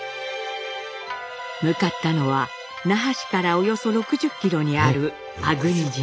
向かったのは那覇市からおよそ６０キロにある粟国島。